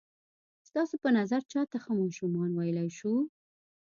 ستاسو په نظر چاته ښه ماشومان ویلای شو؟